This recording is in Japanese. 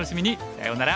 さようなら。